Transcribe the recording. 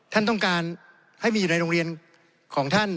ท่านต้องการให้มีอยู่ในโรงเรียนของท่าน